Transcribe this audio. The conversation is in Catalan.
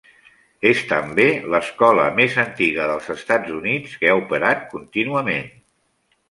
És també l'escola més antiga dels Estats Units que ha operat contínuament.